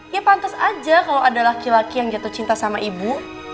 ya pantas aja kalau ada laki laki yang jatuh cinta sama ibu